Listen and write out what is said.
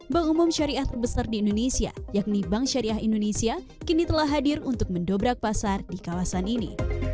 bank umum syariah terbesar di indonesia yakni bank syariah indonesia kini telah hadir untuk mendobrak pasar di kawasan ini